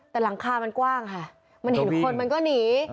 แต่หลังคามันกว้างค่ะมันเห็นคนมันก็หนี